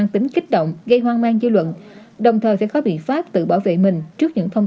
tính kích động gây hoang mang dư luận đồng thời sẽ có biện pháp tự bảo vệ mình trước những thông